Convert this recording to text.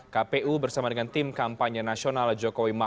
kpu bersama dengan tim kampanye nasional jokowi maruf